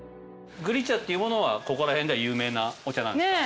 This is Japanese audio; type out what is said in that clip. ぐり茶っていうものはここら辺では有名なお茶なんですか？